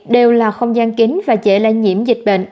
đều là không gian kín và dễ lại nhiễm dịch bệnh